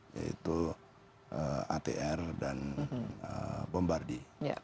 yaitu atr dan bombardi